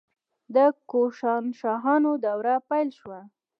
د کوشانشاهانو دوره پیل شوه